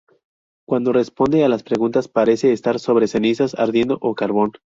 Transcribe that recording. Cuando responde a las preguntas parece estar sobre cenizas ardiendo o carbón.